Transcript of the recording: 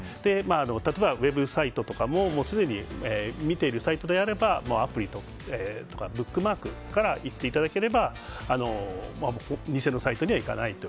例えばウェブサイトとかもすでに見ているサイトであればアプリやブックマークから行っていただければ偽のサイトには行かないと。